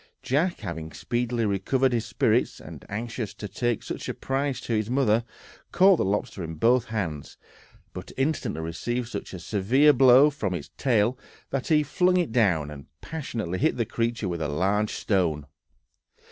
Jack, having speedily recovered his spirits, and anxious to take such a prize to his mother, caught the lobster in both hands, but instantly received such a severe blow from its tail that he flung it down, and passionately hit the creature with a large stone.